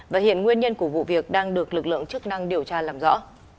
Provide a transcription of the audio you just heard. và hiện nguyên nhân của vụ việc đang được lực lượng chức năng điều tra làm rõ